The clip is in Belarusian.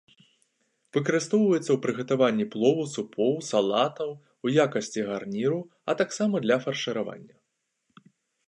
Выкарыстоўваецца ў прыгатаванні плову, супоў, салатаў, у якасці гарніру, а таксама для фаршыравання.